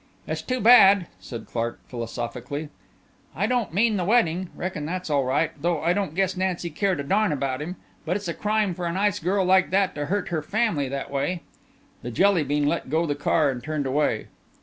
"It's too bad," said Clark philosophically. "I don't mean the wedding reckon that's all right, though I don't guess Nancy cared a darn about him. But it's a crime for a nice girl like that to hurt her family that way." The Jelly bean let go the car and turned away.